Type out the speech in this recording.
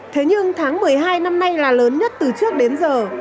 thế nhưng tháng một mươi hai năm nay là lớn nhất từ trước đến giờ